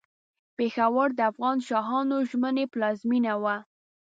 پېښور د افغان شاهانو ژمنۍ پلازمېنه وه.